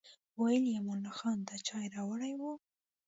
ویل یې امان الله خان دا چای راوړی و.